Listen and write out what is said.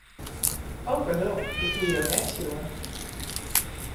O pardon, ik hie jo net sjoen.